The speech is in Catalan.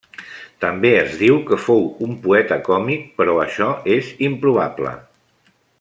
També es diu que fou un poeta còmic, però això és improbable.